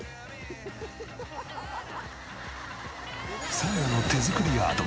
サーヤの手作りアート